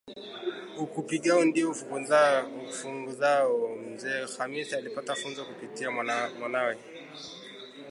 "ukupigao ndio ukufunzao" mzee Khamisi alipata funzo kupitia mwanawe